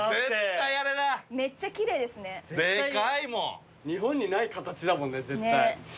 絶対日本にない形だもんね絶対。